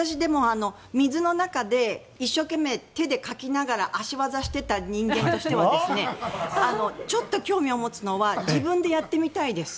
水の中で一生懸命、手でかきながら足技していた人間としてはちょっと興味を持つのは自分でやってみたいです。